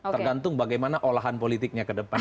tergantung bagaimana olahan politiknya ke depan